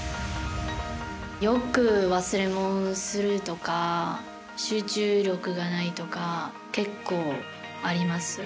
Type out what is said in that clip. よく忘れ物するとか集中力がないとか結構、あります。